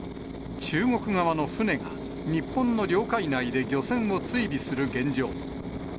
中国側の船が日本の領海内で漁船を追尾する現状。